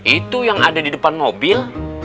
itu yang ada di depan mobil